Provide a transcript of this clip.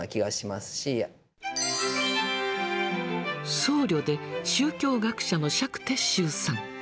僧侶で宗教学者の釈徹宗さん。